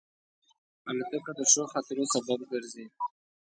الوتکه د ښو خاطرو سبب ګرځي.